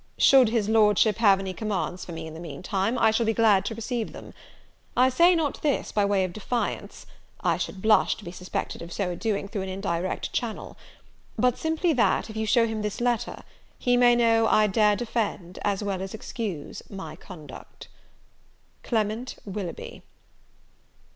Should his Lordship have any commands for me in the mean time, I shall be glad to receive them. I say not this by way of defiance, I should blush to be suspected of so doing through an indirect channel; but simply that, if you show him this letter, he may know I dare defend, as well as excuse, my conduct. "CLEMENT WILLOUGHBY."